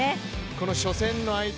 この初戦の相手